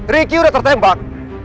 ricky udah tertembak